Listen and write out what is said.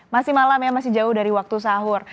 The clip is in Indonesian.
masih malam ya masih jauh dari waktu sahur